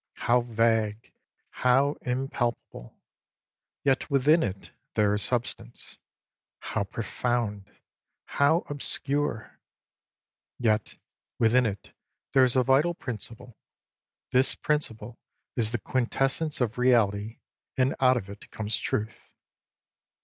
How vague, how impalpable ! Yet within it there is Substance. How profound, how obscure ! Yet within it there is a Vital Principle. This principle is the Quintessence of Reality, and out of it comes Truth.